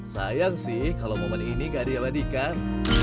sayang sih kalau momen ini gak ada yang bandingkan